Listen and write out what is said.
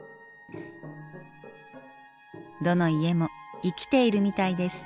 どの家も生きているみたいです。